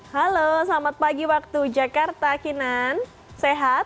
halo selamat pagi waktu jakarta kinan sehat